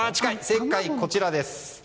正解はこちらです。